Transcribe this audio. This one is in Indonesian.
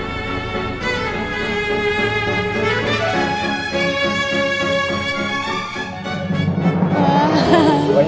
aku mau lihat makanannya